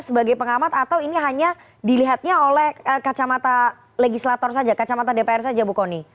sebagai pengamat atau ini hanya dilihatnya oleh kacamata legislator saja kacamata dpr saja bu kony